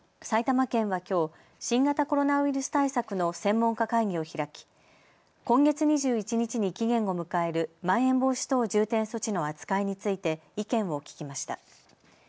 埼玉県はきょう新型コロナウイルス対策の専門家会議を開き今月２１日に期限を迎えるまん延防止等重点措置の扱いについて意見を聞きました。